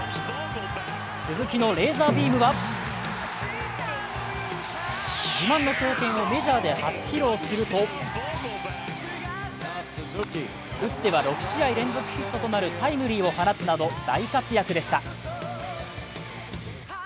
鈴木のレーザービームは自慢の強肩をメジャーで初披露すると打っては６試合連続ヒットとなるタイムリーを放つなど大活躍でした。